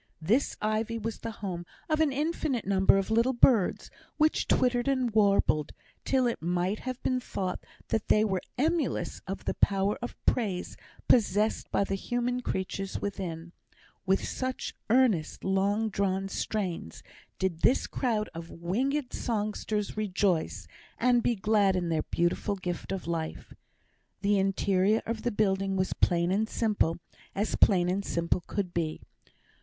This ivy was the home of an infinite number of little birds, which twittered and warbled, till it might have been thought that they were emulous of the power of praise possessed by the human creatures within, with such earnest, long drawn strains did this crowd of winged songsters rejoice and be glad in their beautiful gift of life. The interior of the building was plain and simple as plain and simple could be.